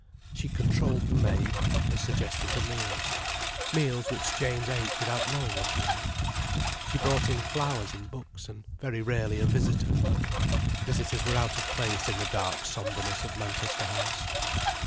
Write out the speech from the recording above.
She controlled the maid, and suggested the meals—meals which James ate without knowing what he ate. She brought in flowers and books, and, very rarely, a visitor. Visitors were out of place in the dark sombreness of Manchester House.